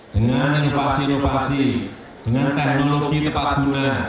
dengan inovasi inovasi dengan teknologi tepat guna